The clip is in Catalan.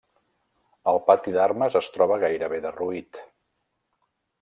El pati d'armes es troba gairebé derruït.